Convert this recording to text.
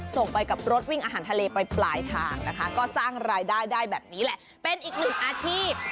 ส่งไปกับรถวิ่งอาหารทะเลไปปลายทางนะคะก็สร้างรายได้ได้แบบนี้แหละเป็นอีกหนึ่งอาชีพ